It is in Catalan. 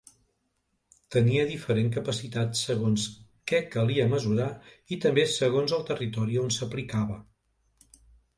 Tenia diferent capacitat segons què calia mesurar i també segons el territori on s'aplicava.